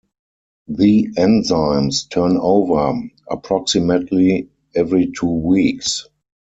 The enzymes turn over approximately every two weeks.